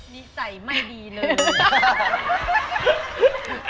นิสัยไม่ดีเลย